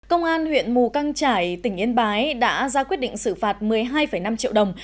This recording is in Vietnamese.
công an huyện mù căng trải tỉnh yên bái đã ra quyết định xử phạt một mươi hai năm triệu đồng